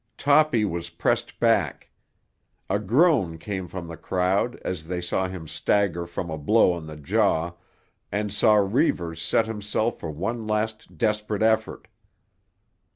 Toppy was pressed back. A groan came from the crowd as they saw him stagger from a blow on the jaw and saw Reivers set himself for one last desperate effort.